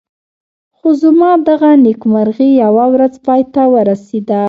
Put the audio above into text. خو زما دغه نېکمرغي یوه ورځ پای ته ورسېده.